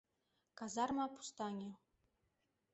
Казарма пустаҥе.